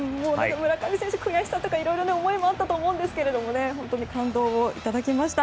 村上選手、悔しさとかいろいろあったと思いますが本当に感動をいただきました。